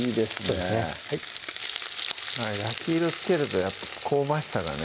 そうですね焼き色つけるとやっぱ香ばしさがね